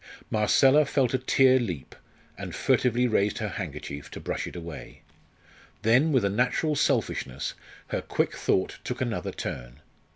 Marcella felt a tear leap, and furtively raised her handkerchief to brush it away. Then, with a natural selfishness, her quick thought took another turn.